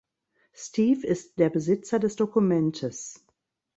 Steve ist der Besitzer des Dokumentes.